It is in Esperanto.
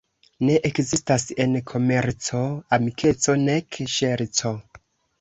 Ne ekzistas en komerco amikeco nek ŝerco.